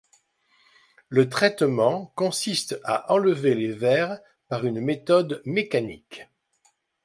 Le traitement consiste à enlever les vers par une méthode mécanique.